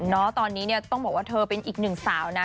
เนอะตอนนี้ต้องบอกว่าเธอเป็นอีกหนึ่งสาวนะ